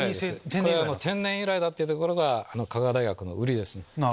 天然由来だっていうところが香川大学の売りですね。